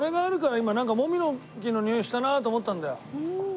今なんかモミの木のにおいしたなと思ったんだよ。